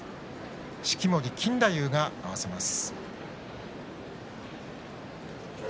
式守錦太夫が合わせます。